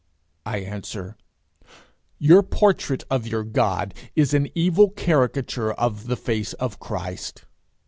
I answer, 'Your portrait of your God is an evil caricature of the face of Christ.'